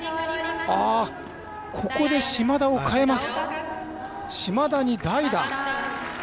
ここで島田を代えます。